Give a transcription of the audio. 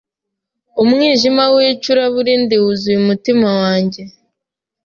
umwijima wicura burindi wuzuye umutima wanjye!